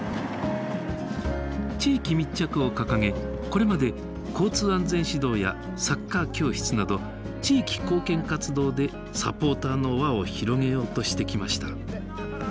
地域密着を掲げこれまで交通安全指導やサッカー教室など地域貢献活動でサポーターの輪を広げようとしてきました。